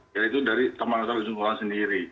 yaitu dari taman nasional ujung kulon sendiri